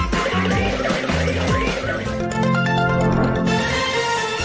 ซื้อให้มันต้องมีในกล่องไว้ล่ะ